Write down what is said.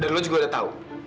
dan lo juga udah tau